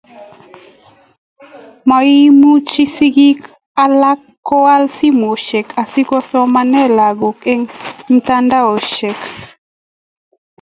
maimuch sigik alak koal simoisiek, asikusomane lagok eng' mitandaosiek